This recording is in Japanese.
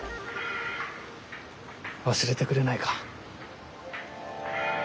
忘れてくれないか。